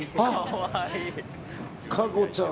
かこちゃん